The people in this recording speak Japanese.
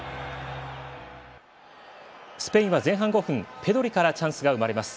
スペインは前半５分ペドリからチャンスが生まれます。